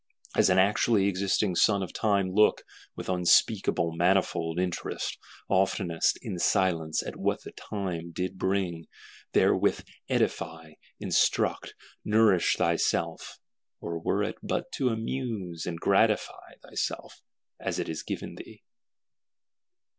As an actually existing Son of Time, look, with unspeakable manifold interest, oftenest in silence, at what the Time did bring: therewith edify, instruct, nourish thyself, or were it but to amuse and gratify thyself, as it is given thee.